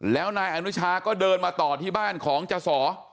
แล้วนายอนุชาก็เดินมาต่อที่บ้านของจสอ